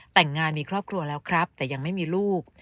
แต่งงานมีครอบครัวแล้วครับแต่ยังไม่มีลูก